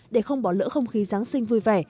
để không bỏ lỡ không khí giáng sinh vui vẻ